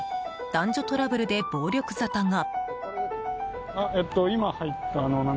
男女トラブルで暴力沙汰が。